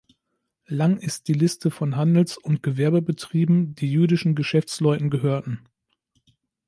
Lang ist die Liste von Handels- und Gewerbebetrieben, die jüdischen Geschäftsleuten gehörten.